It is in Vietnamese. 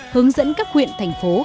hướng dẫn các huyện thành phố